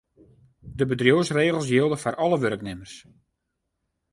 De bedriuwsregels jilde foar alle wurknimmers.